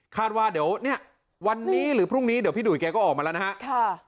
ว่าเดี๋ยวเนี่ยวันนี้หรือพรุ่งนี้เดี๋ยวพี่ดุ่แกก็ออกมาแล้วนะฮะ